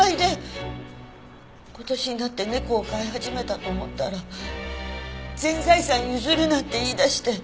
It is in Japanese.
今年になって猫を飼い始めたと思ったら「全財産譲る」なんて言いだして。